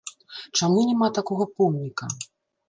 Чаму няма такога помніка?